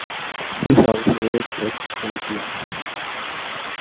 He is also a Presbyterian.